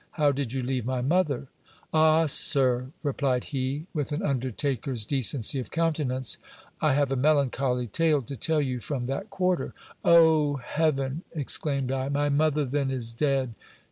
How did you leave my mother ? Ah, sir ! replied he, with an undertaker's decency of countenance, I have a melancholy tale to tell you from :hat quarter. O heaven ! exclaimed I, my mother then is dead